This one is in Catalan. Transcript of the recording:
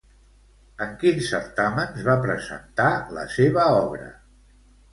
En quins certàmens va presentar la seva obra?